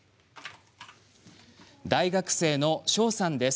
大学生の翔さんです。